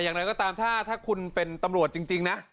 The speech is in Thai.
อย่างไรก็ตามถ้าคุณเป็นตำรวจจริงนะ